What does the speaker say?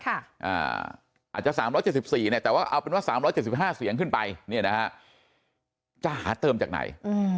อาจจะ๓๗๔เนี่ยแต่ว่าเอาเป็นว่า๓๗๕เสียงขึ้นไปเนี่ยนะฮะจะหาเติมจากไหน